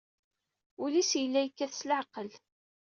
Ul-is yella yekkat s leɛqel.